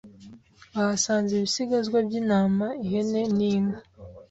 bahasanze ibisigazwa by intama ihene n inka